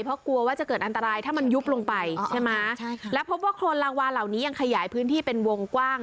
เพราะกลัวว่าจะเกิดอันตรายถ้ามันยุบลงไปใช่ไหมใช่ค่ะแล้วพบว่าโครนรางวานเหล่านี้ยังขยายพื้นที่เป็นวงกว้าง